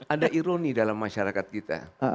ada ironi dalam masyarakat kita